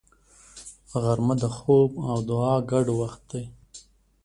غرمه د خوب او دعا ګډ وخت دی